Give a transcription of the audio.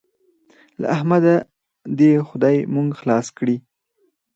له احمده دې خدای موږ خلاص کړي.